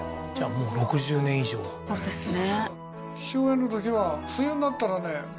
もう６０年以上そうですね